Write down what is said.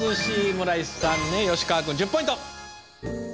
村井さん吉川君１０ポイント。